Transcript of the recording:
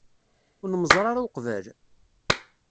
Ur nemmẓer ara uqbel?